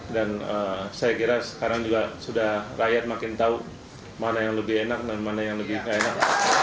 dan saya kira sekarang juga sudah rakyat makin tahu mana yang lebih enak dan mana yang lebih enak